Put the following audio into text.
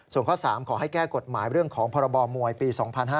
ส่วนข้อ๓ขอให้แก้กฎหมายเรื่องของพรบมวยปี๒๕๕๙